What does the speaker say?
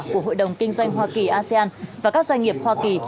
của hội đồng kinh doanh hoa kỳ asean và các doanh nghiệp hoa kỳ